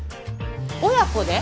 親子で？